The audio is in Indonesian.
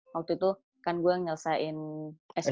waktu itu kan gue nyelesain s dua ya